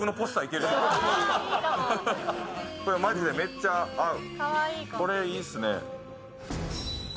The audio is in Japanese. これ、マジでめっちゃ合う。